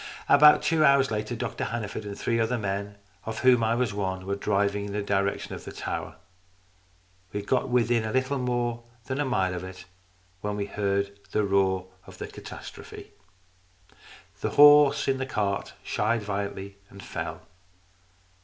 About two hours later Dr Hanneford and three other men, of whom I was one, were driving in the direction of the tower. We had got within a little more than a mile of it when we heard the roar of the catastrophe. The horse in the cart shied violently and fell.